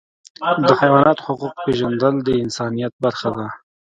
د حیواناتو حقوق پیژندل د انسانیت برخه ده.